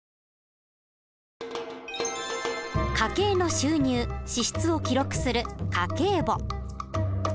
家計の収入支出を記録する家計簿。